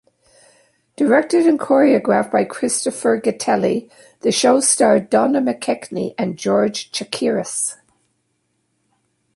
Directed and choreographed by Christopher Gattelli, the show starred Donna McKechnie and George Chakiris.